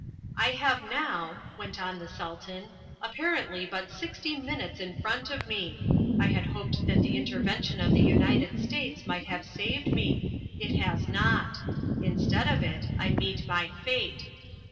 "I have now," went on the Sultan, "apparently but sixty minutes in front of me. I had hoped that the intervention of the United States might have saved me. It has not. Instead of it, I meet my fate.